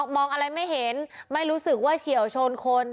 มองอะไรไม่เห็นไม่รู้สึกว่าเฉียวชนคน